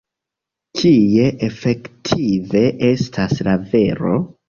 Kie efektive estas la vero?